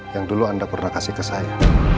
yang dulu anda pernah kasih ke saya